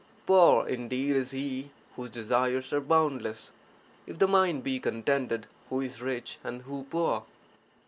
Poor indeed is he whose desires are boundless. If the mind be contended, who is rich and who poor?